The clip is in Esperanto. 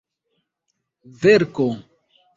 verko